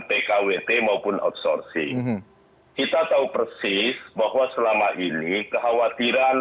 pkwt maupun outsourcing kita tahu persis bahwa selama ini kekhawatiran